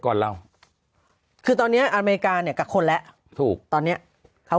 ก่อนเราคือตอนเนี้ยอเมริกาเนี่ยกับคนแล้วถูกตอนเนี้ยเขา